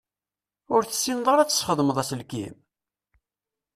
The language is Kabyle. Ur tessineḍ ara ad tesxedmeḍ aselkim?